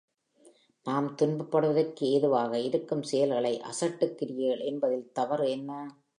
நாம் துன்பப்படுவதற்கு ஏதுவாக இருக்கும் செயல்களை அசட்டுக் கிரியைகள் என்பதில் தவறு என்ன?